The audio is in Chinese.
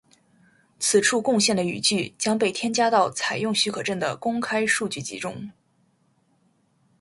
此处贡献的语句将被添加到采用许可证的公开数据集中。